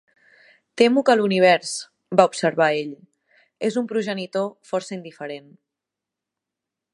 "Temo que l'univers", va observar ell, "és un progenitor força indiferent".